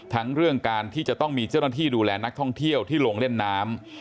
ทั้งเรื่องการที่จะต้องมีเจ้าหน้าที่ดูแลนักท่องเที่ยวที่ลงเล่นน้ำ